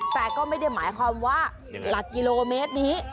แต่ก็ไม่ได้หมายความว่าหลักกิโลเมตรนี้